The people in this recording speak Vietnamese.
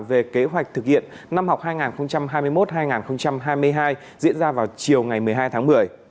về kế hoạch thực hiện năm học hai nghìn hai mươi một hai nghìn hai mươi hai diễn ra vào chiều ngày một mươi hai tháng một mươi